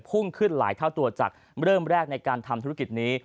พุ่งขึ้นหลายเท่าตัวจากเริ่มแรกในการทำธุรกิจนี้